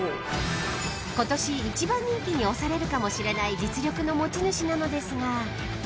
［今年１番人気に推されるかもしれない実力の持ち主なのですが］